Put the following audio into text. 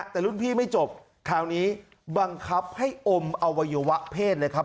แต่รุ่นพี่ไม่จบคราวนี้บังคับให้อมอวัยวะเพศเลยครับ